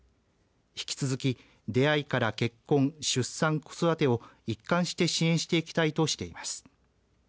引き続き、出会いから結婚出産、子育てを一貫して支援していきたいとしています。